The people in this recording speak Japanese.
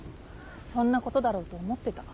そんなことだろうと思ってた。